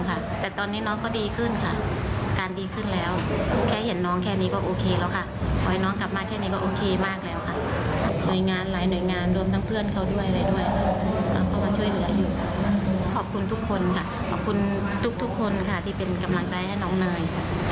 ขอบคุณทุกคนค่ะขอบคุณทุกคนค่ะที่เป็นกำลังใจให้น้องเนย